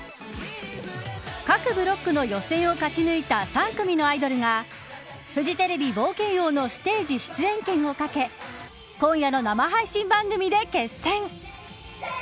各ブロックの予選を勝ち抜いた３組のアイドルがフジテレビ冒険王のステージ出演権を懸け今夜の生配信番組で決戦。